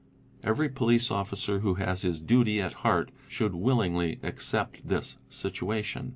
Every police officer _ who has his duty at heart, should willingly accept this situation.